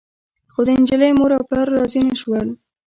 خو د نجلۍ مور او پلار راضي نه شول.